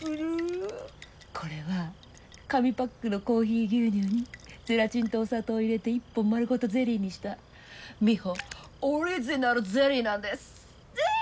これは紙パックのコーヒー牛乳にゼラチンとお砂糖を入れて１本丸ごとゼリーにしたミホオリジナルゼリーなんです。